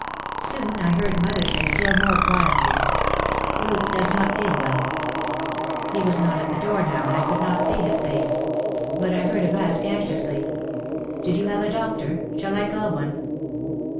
Soon I heard mother say still more quietly, "Ruth does not feel well." He was not at the door now and I could not see his face. But I heard him ask anxiously, "Did you have a doctor? Shall I call one?"